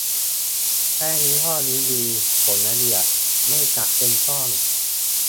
แป้งยี่ห้อนี้ดี ผงละเอียด ไม่จับเป็นก้อน